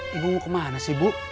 ibu kemana sih bu